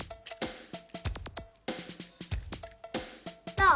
どう？